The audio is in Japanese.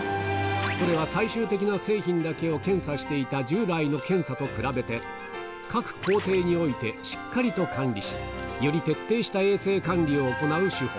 これは最終的な製品だけを検査していた従来の検査と比べて、各工程においてしっかりと管理し、より徹底した衛生管理を行う手法。